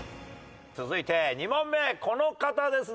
続いて２問目この方です。